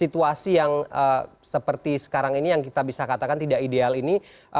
terima kasih bang dhani